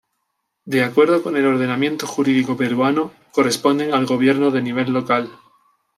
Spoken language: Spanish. De acuerdo con el ordenamiento jurídico peruano, corresponden al gobierno de nivel local.